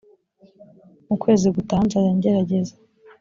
mu kwezi gutaha nzajya ngerageza